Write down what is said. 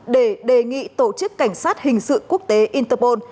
để đề nghị tổ chức cảnh sát hình sự quốc tế interpol